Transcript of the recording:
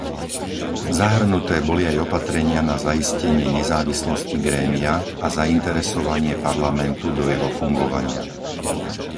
Zahrnuté boli aj opatrenia na zaistenie nezávislosti grémia a zainteresovanie Parlamentu do jeho fungovania.